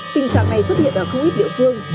tình trạng này xuất hiện ở không ít địa phương